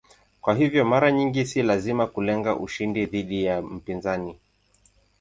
Kwa hiyo mara nyingi si lazima kulenga ushindi dhidi ya mpinzani.